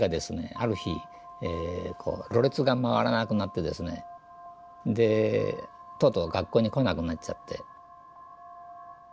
ある日ろれつが回らなくなってですねでとうとう学校に来なくなっちゃって。